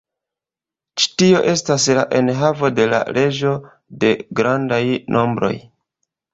Ĉi tio estas la enhavo de la leĝo de grandaj nombroj.